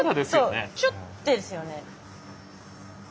ちょっですよね。